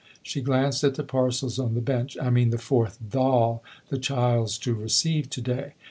She glanced at the parcels on the bench. " I mean the fourth doll the child's to receive to day."